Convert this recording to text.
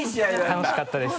楽しかったです。